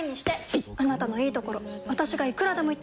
いっあなたのいいところ私がいくらでも言ってあげる！